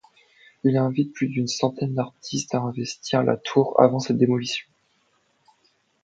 Il invite plus d'une centaine d'artistes à investir la tour avant sa démolition.